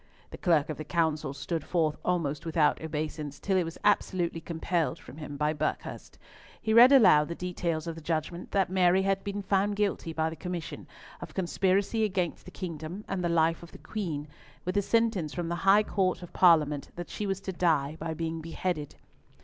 The Clerk of the Council stood forth almost without obeisance, till it was absolutely compelled from him by Buckhurst. He read aloud the details of the judgment, that Mary had been found guilty by the Commission, of conspiracy against the kingdom, and the life of the Queen, with the sentence from the High Court of Parliament that she was to die by being beheaded.